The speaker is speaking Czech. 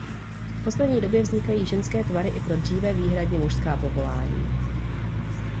V poslední době vznikají ženské tvary i pro dříve výhradně mužská povolání.